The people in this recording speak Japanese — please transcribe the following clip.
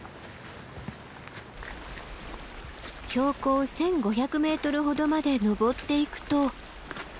標高１，５００ｍほどまで登っていくと。